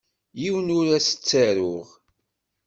Yiwen ur as-ttaruɣ.